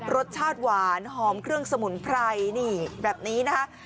รสชาติหวานหอมเครื่องสมุนไพรนี่แบบนี้นะคะ